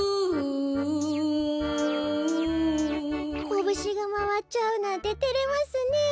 コブシがまわっちゃうなんててれますねえ。